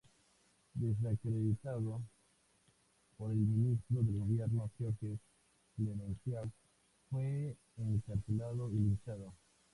Desacreditado por el ministro del gobierno Georges Clemenceau, fue encarcelado y linchado.